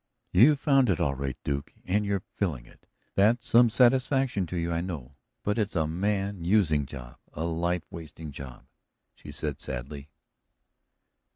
"You've found it, all right, Duke, and you're filling it. That's some satisfaction to you, I know. But it's a man using job, a life wasting job," she said sadly.